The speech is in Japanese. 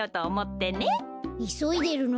いそいでるの？